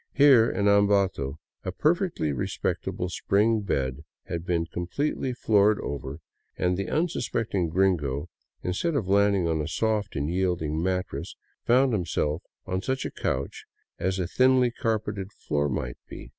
Here in Ambato a perfectly re spectable spring bed had been completely floored over, and the un suspecting gringo, instead of landing on a soft and yielding mattress, found himself on such a couch as a thinly carpeted floor might be.